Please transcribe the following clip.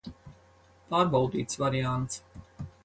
Pārbaudīts variants.